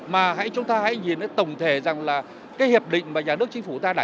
mà chúng ta hãy nhìn tổng thể rằng là cái hiệp định mà nhà nước chính phủ ta đã